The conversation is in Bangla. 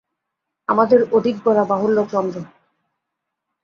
আমাদের অধিক বলা বাহুল্য– চন্দ্র।